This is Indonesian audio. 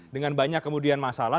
dengan banyak kemudian masalah